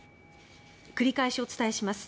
繰り返しお伝えします。